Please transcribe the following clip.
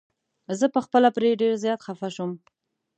زه په خپله پرې ډير زيات خفه شوم.